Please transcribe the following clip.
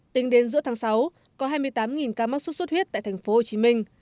tính đến giữa tháng sáu có hai mươi tám ca mắc sốt xuất huyết tại thành phố hồ chí minh